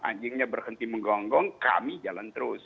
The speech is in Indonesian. anjingnya berhenti menggonggong kami jalan terus